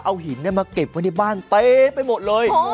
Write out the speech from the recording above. เอาหินมาเก็บไว้ในบ้านเต็มไปหมดเลย